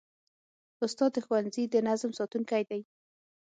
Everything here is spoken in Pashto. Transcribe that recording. استاد د ښوونځي د نظم ساتونکی دی.